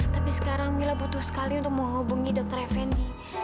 tapi sekarang mila butuh sekali untuk mau hubungi dokter fnd